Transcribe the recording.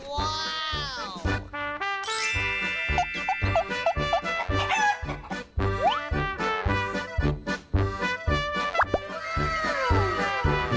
ว้าว